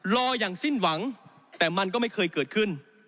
รออย่างสิ้นหวังแต่มันก็ไม่เคยเกิดขึ้น